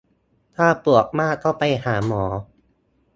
ถ้าปวดมากก็ไปหาหมอ